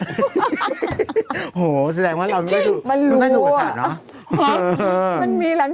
โธ่เสด็จว่าเราก็ให้หนูประสานเนอะ